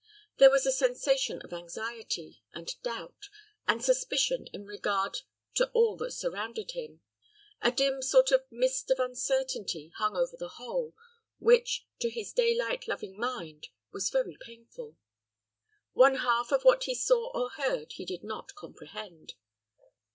There was a sensation of anxiety, and doubt, and suspicion in regard to all that surrounded him. A dim sort of mist of uncertainty hung over the whole, which, to his daylight loving mind, was very painful. One half of what he saw or heard he did not comprehend.